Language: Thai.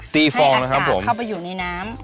ตีฟองนะครับผมให้อากาศเข้าไปอยู่ในน้ำ